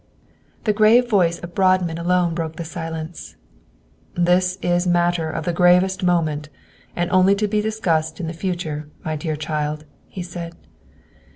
The grave voice of Boardman alone broke the silence. "This is matter of the gravest moment, and only to be discussed in the future, my dear child," he said.